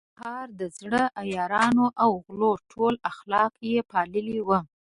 د کندهار د زړو عیارانو او غلو ټول اخلاق يې پاللي وو.